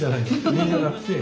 「煮」じゃなくて。